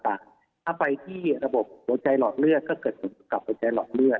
ถ้าไปที่ระบบหัวใจหลอดเลือดก็เกิดผลกับหัวใจหลอดเลือด